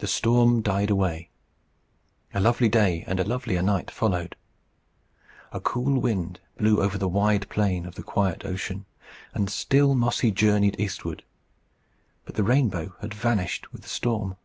The storm died away. A lovely day and a lovelier night followed. A cool wind blew over the wide plain of the quiet ocean. And still Mossy journeyed eastward. But the rainbow had vanished with the storm.